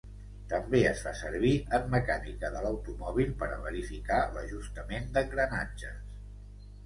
També es fa servir en mecànica de l'automòbil per a verificar l'ajustament d'engranatges.